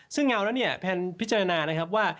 ซึ่งเงาแล้วเนี่ยแพนพิจารณานะครับว่า